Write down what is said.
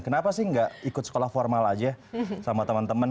kenapa sih gak ikut sekolah formal aja sama teman teman